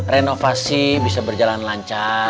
renovasi bisa berjalan lancar